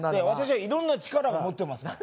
私はいろんな力を持ってます。